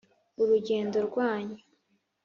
Urugendo rwanyu